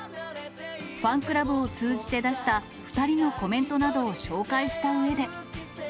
ファンクラブを通じて出した２人のコメントなどを紹介したうえで。